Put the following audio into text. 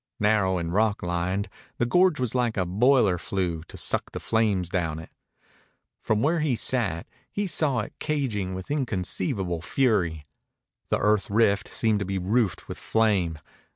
Narrow and rock lined, the gorge was like a boiler flue to suck the flames down it. From where he sat he saw it caging with inconceivable fury. The earth rift seemed to be roofed with flame.